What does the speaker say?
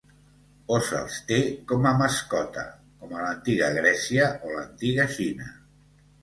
O se'ls té com a mascota, com a l'Antiga Grècia o l'Antiga Xina.